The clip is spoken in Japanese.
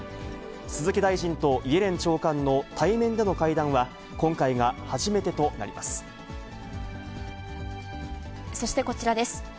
鈴木大臣とイエレン長官の対面での会談は、今回が初めてとなりまそしてこちらです。